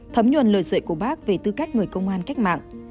thấm nhuần lời dạy của bác về tư cách người công an cách mạng